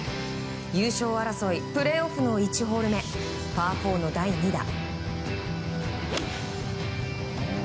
優勝争いプレーオフの１ホール目パー４の第２打。